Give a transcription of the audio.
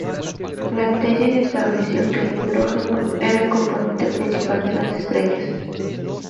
La tesis estableció que el hidrógeno era el componente principal de las estrellas.